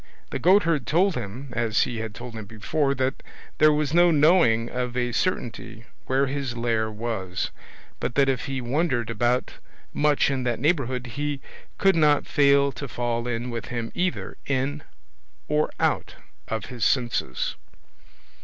The goatherd told him, as he had told him before, that there was no knowing of a certainty where his lair was; but that if he wandered about much in that neighbourhood he could not fail to fall in with him either in or out of his senses.